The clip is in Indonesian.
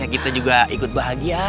kita juga ikut bahagia